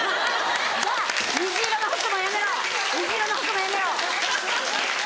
じゃあ虹色の服もやめろ虹色の服もやめろ！